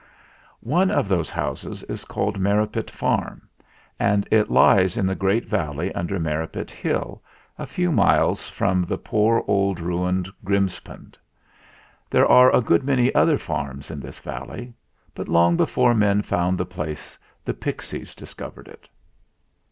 One of those houses is called Merripit Farm, and it lies in the great valley under Merripit Hill, a few miles from poor old ruined Grims pound. There are a good many other farms in this valley; but long before men found the place the pixies discovered it.